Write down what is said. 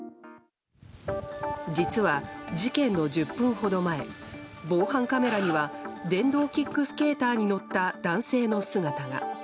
実は、事件の１０分ほど前防犯カメラには電動キックスケーターに乗った男性の姿が。